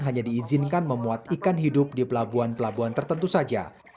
hanya diizinkan memuat ikan hidup di pelabuhan pelabuhan tertentu saja